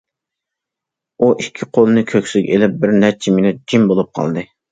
ئۇ ئىككى قولىنى كۆكسىگە ئېلىپ، بىرنەچچە مىنۇت جىم بولۇپ قالدى.